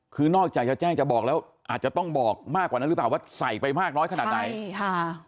คือนอกจากจะแจ้งจะบอกแล้วอาจจะต้องบอกมากกว่านั้นหรือเปล่าว่าใส่ไปมากน้อยขนาดไหนใช่ค่ะ